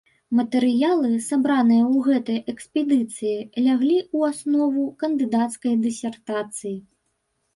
Матэрыялы, сабраныя ў гэтай экспедыцыі, ляглі ў аснову кандыдацкай дысертацыі.